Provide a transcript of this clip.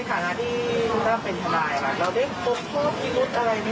มีคนรู้จังใจที่มันอะไร